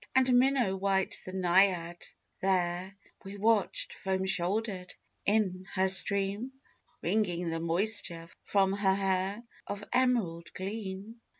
And minnow white the Naiad there We watched, foam shouldered, in her stream, Wringing the moisture from her hair Of emerald gleam.